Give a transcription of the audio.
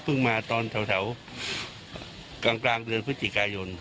มาตอนแถวกลางเดือนพฤศจิกายน